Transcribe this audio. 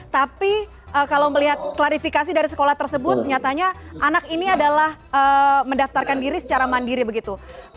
tapi kalau melihat klarifikasi dari sekolah tersebut nyatanya anak ini adalah mendaftarkan diri secara mandiri begitu